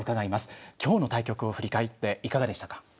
今日の対局を振り返っていかがでしたか。